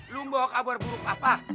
lo mau bawa kabar buruk apa